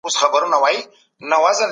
سالم ذهن انرژي نه دروي.